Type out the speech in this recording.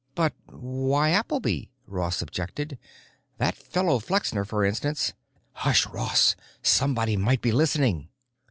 "But why Appleby?" Ross objected. "That fellow Flexner, for instance——" "Hush, Ross! Somebody might be listening."